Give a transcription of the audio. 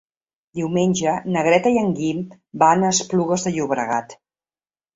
Diumenge na Greta i en Guim van a Esplugues de Llobregat.